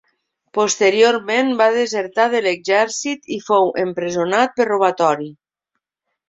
Posteriorment va desertar de l'exèrcit i fou empresonat per robatori.